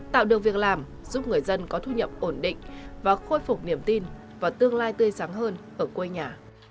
tạo được việc làm giúp người dân có thu nhập ổn định và khôi phục niềm tin và tương lai tươi sáng hơn ở quê nhà